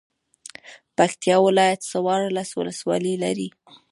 پکتيا ولايت څوارلس ولسوالۍ لری.